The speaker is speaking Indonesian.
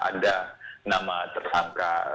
ada nama tersangka